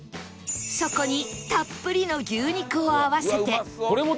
そこにたっぷりの牛肉を合わせて